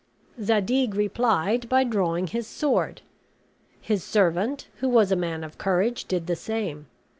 Zadig replied by drawing his sword; his servant, who was a man of courage, did the same.